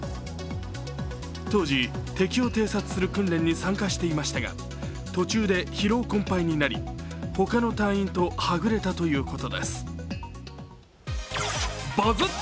当時、敵を偵察する訓練に参加していましたが途中で疲労困ぱいになり他の隊員とはぐれたということです。